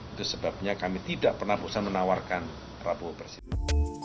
itu sebabnya kami tidak pernah bosan menawarkan prabowo presiden